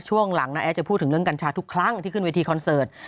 ช่วงหลังน้าแอดจะพูดถึงเรื่องกัญชาทุกครั้งที่ขึ้นเวทีคอนเสิร์ต